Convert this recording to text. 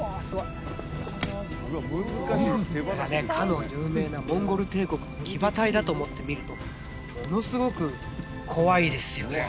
すごいこれがねかの有名なモンゴル帝国の騎馬隊だと思って見るとものすごく怖いですよね